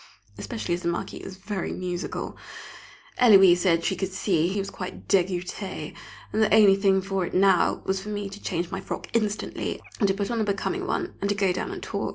Especially as the Marquis is very musical! Héloise said she could see he was quite "dégoûté," and the only thing for it now, was for me to change my frock instantly, and to put on a becoming one, and to go down and talk.